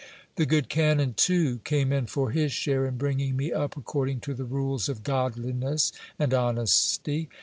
The good canon, too, came in for his share in bringing me up according to the 4io GIL BLAS. rules of godliness and honesty.